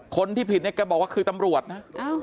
คนที่ผิดเนี่ยแกบอกว่าคือตำรวจนะ